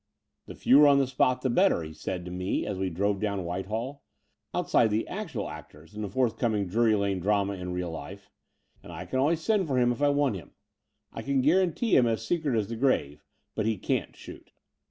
"The fewer on the spot, the better, he said to me as we drove down Whitehall, outside the actual actors in the forthcoming Drury Lane drama in real life; and I can always send for him if I want 214 The Door of the Unreal him. I can guarantee him as secret as the grave: but he can't shoot."